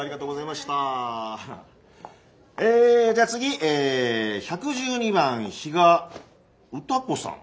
えじゃあ次１１２番比嘉歌子さん。